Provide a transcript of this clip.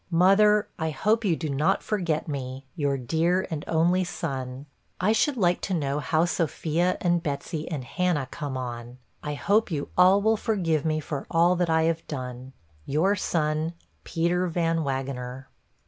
Mother, I hope you do not forget me, your dear and only son. I should like to know how Sophia, and Betsey, and Hannah, come on. I hope you all will forgive me for all that I have done. 'Your son, PETER VAN WAGENER.'